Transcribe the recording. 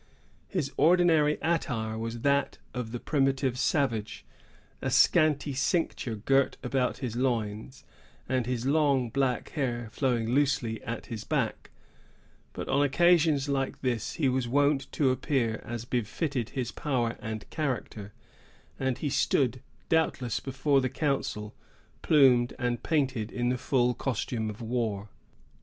His ordinary attire was that of the primitive savage,——a scanty cincture girt about his loins, and his long, black hair flowing loosely at his back; but on occasions like this he was wont to appear as befitted his power and character, and he stood doubtless before the council plumed and painted in the full costume of war.